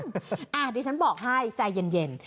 เดี๋ยวฉันบอกให้ใจเย็น